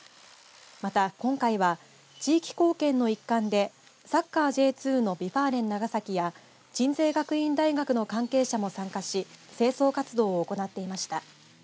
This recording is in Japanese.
また今回は地域貢献の一環でサッカーＪ２のＶ・ファーレン長崎や鎮西学院大学の関係者も参加し清掃活動を行っていました。